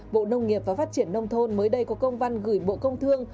bộ nông nghiệp và phát triển nông thôn mới đây có công văn gửi bộ công thương